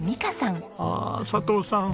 ああ佐藤さん